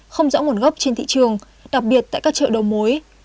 không rõ nguồn gốc trên thị trường đặc biệt tại các chợ đầu mối